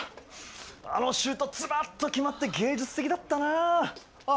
あのシュートズバッと決まって芸術的だったなあ。